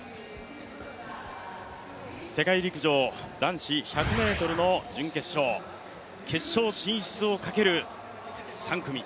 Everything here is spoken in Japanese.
世界陸上、男子１００ｍの準決勝決勝進出をかける３組。